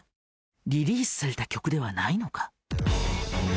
リリースされた曲ではないのか？